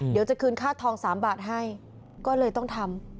เดี๋ยวจะคืนค่าทอง๓บาทให้ก็เลยต้องทำ